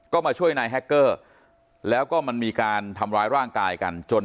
ก็มาช่วยนายแฮคเกอร์แล้วก็มันมีการทำร้ายร่างกายกันจน